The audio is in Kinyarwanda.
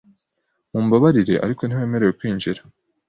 Mumbabarire, ariko ntiwemerewe kwinjira.